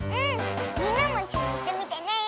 みんなもいっしょにいってみてね！